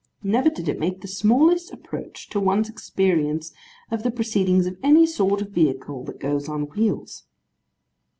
Never did it make the smallest approach to one's experience of the proceedings of any sort of vehicle that goes on wheels.